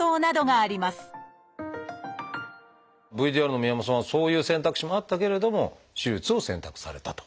ＶＴＲの宮本さんはそういう選択肢もあったけれども手術を選択されたと。